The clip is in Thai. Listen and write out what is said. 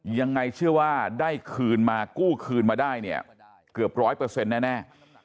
ยังไงเชื่อว่าได้คืนมากู้คืนมาได้เนี่ยเกือบร้อยเปอร์เซ็นต์แน่